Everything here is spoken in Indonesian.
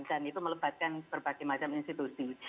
itu melebatkan berbagai macam institusi